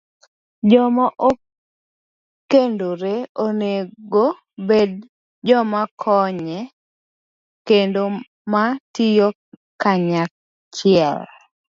Joma okendore onego obed joma konye kendo ma tiyo kanyachiel